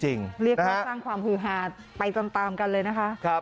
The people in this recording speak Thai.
เรียกว่าสร้างความฮือหาไปตามกันเลยนะคะ